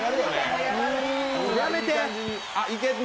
やめて！